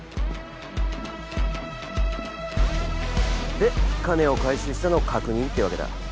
で金を回収したのを確認ってわけだ。